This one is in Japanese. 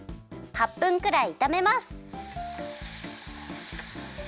８分くらいいためます。